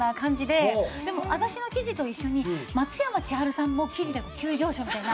でも私の記事と一緒に松山千春さんも記事で急上昇みたいな。